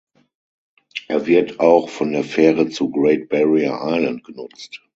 Er wird auch von der Fähre zu Great Barrier Island genutzt.